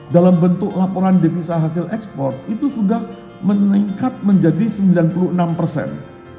dalam bentuk laporan devisa hasil ekspor itu sudah meningkat menjadi sembilan puluh enam persen